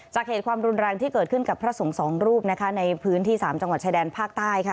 เหตุความรุนแรงที่เกิดขึ้นกับพระสงฆ์สองรูปนะคะในพื้นที่๓จังหวัดชายแดนภาคใต้ค่ะ